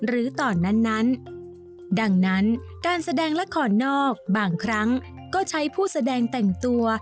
ตอนนั้นนั้นดังนั้นการแสดงละครนอกบางครั้งก็ใช้ผู้แสดงแต่งตัว